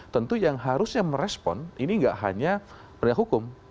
tentu yang harusnya merespon ini nggak hanya berhubungan hukum